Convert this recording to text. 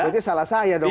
berarti salah saya dong